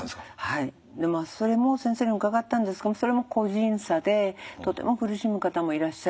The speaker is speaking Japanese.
それも先生に伺ったんですがそれも個人差でとても苦しむ方もいらっしゃると。